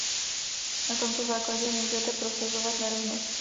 Na tomto základě můžete prosazovat nerovnost.